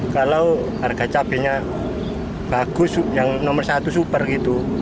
kalau harga cabainya bagus yang nomor satu super gitu